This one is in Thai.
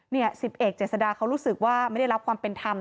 สิบเอกเจษฎาเขารู้สึกว่าไม่ได้รับความเป็นธรรม